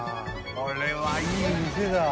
これはいい店だ。